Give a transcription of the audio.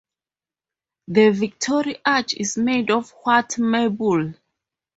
The Victory Arch is made of white marble.